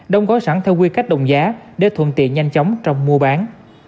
đồng gói sẵn theo quy kết đồng giá để thuận tiện nhanh chóng trong mua bán